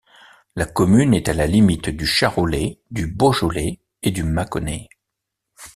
La commune est à la limite du Charolais, du Beaujolais et du Mâconnais.